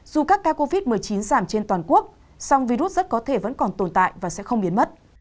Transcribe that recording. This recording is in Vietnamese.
dù các ca covid một mươi chín giảm trên toàn quốc song virus rất có thể vẫn còn tồn tại và sẽ không biến mất